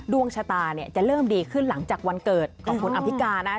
ดวงชะตาเนี่ยจะเริ่มดีขึ้นหลังจากวันเกิดของคุณอำพิการนะ